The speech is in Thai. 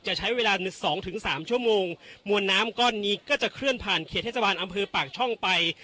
จะใช้เวลาสองถึงสามชั่วโมงมวลน้ำก้อนนี้ก็จะเคลื่อนผ่านเขตเทศบาลอำเภอปากช่องไป